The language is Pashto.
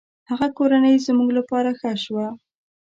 هغه کورنۍ زموږ له پاره ښه شوه.